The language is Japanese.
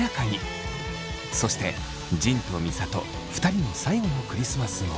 そして仁と美里２人の最後のクリスマスも。